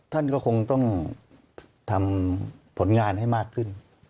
ท่านก็คงต้องทำผลงานให้มากขึ้น